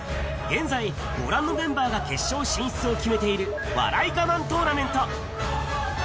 現在、ご覧のメンバーが決勝進出を決めている笑い我慢トーナメント。